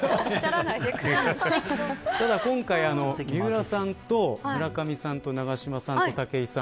ただ今回三浦さんと村上さんと永島さんと武井さん